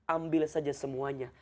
ambil saja semuanya